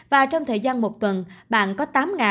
và trong thời gian một tuần bạn có tám